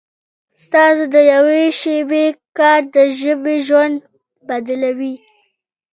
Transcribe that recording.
ستاسو د یوې شېبې کار د ژبې ژوند بدلوي.